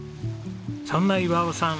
そんな岩男さん